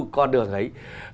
con đường ấy